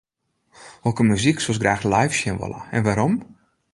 Hokker muzyk soest graach live sjen wolle en wêrom?